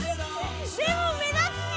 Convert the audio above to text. でも目立つね！